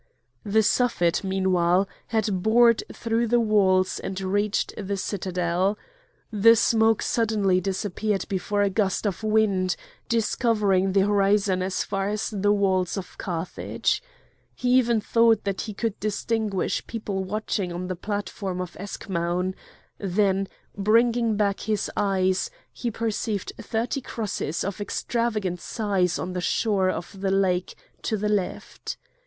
The Suffet, meanwhile, had bored through the walls and reached the citadel. The smoke suddenly disappeared before a gust of wind, discovering the horizon as far as the walls of Carthage; he even thought that he could distinguish people watching on the platform of Eschmoun; then, bringing back his eyes, he perceived thirty crosses of extravagant size on the shore of the Lake, to the left.